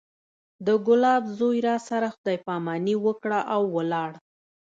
د ګلاب زوى راسره خداى پاماني وکړه او ولاړ.